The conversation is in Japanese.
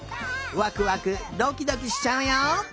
ワクワクドキドキしちゃうよ。